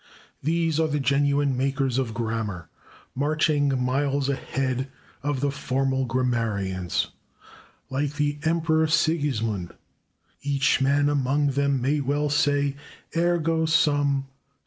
These are the genuine makers of grammar, marching miles ahead of the formal grammarians. Like the Emperor Sigismund, each man among them may well say: "/Ego sum ...